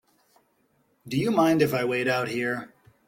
Do you mind if I wait out here?